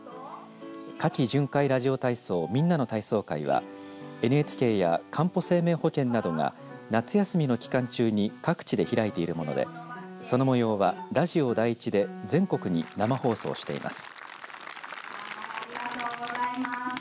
夏期巡回ラジオ体操・みんなの体操会はＮＨＫや、かんぽ生命保険などが夏休みの期間中に各地で開いているものでそのもようはラジオ第１で全国に生放送しています。